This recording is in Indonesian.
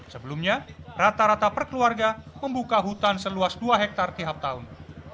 sebelumnya rata rata perkeluarga membuka hutan seluas dua hektare tiap tahun